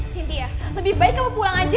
sintia lebih baik kamu pulang aja